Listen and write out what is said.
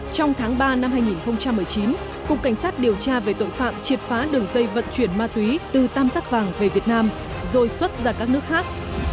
trong tháng ba năm hai nghìn một mươi chín cục cảnh sát điều tra về tội phạm triệt phá đường dây vận chuyển ma túy từ tam giác vàng về việt nam rồi xuất ra các nước khác